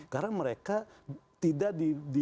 karena mereka tidak dilibatkan dalam sebuah